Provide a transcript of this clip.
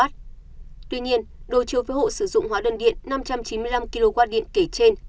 tuy nhiên đối chiếu với hộ sử dụng hóa đơn điện năm trăm chín mươi năm kw điện kể trên